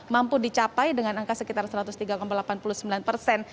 mampu dicapai dengan angka sekitar satu ratus tiga delapan puluh sembilan persen